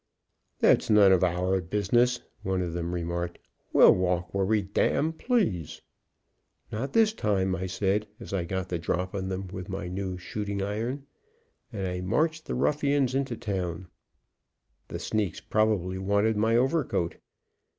"That's none of our business," one of them remarked; "we'll walk where we d d please." "Not this time," I said, as I got the drop on them with my new shooting iron; and I marched the ruffians into town. The sneaks probably wanted my overcoat.